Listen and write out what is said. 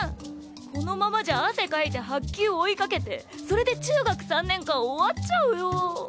このままじゃ汗かいて白球追いかけてそれで中学３年間終わっちゃうよ！